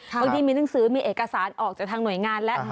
บางทีมีหนังสือมีเอกสารออกจากทางหน่วยงานแล้ว